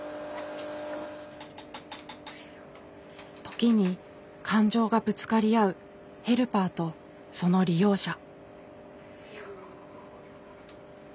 時に感情がぶつかり合うヘルパーとその利用者。